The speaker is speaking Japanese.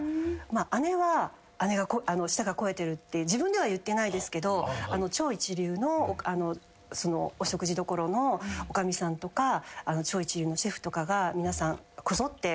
姉は姉が舌が肥えてるって自分では言ってないですけど超一流のお食事どころの女将さんとか超一流のシェフとかが皆さんこぞって。